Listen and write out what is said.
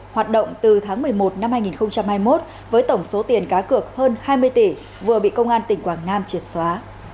hoạt động từ tháng một mươi một năm hai nghìn hai mươi một với tổng số tiền cá cược hơn hai mươi tỷ vừa bị công an tỉnh quảng nam triệt xóa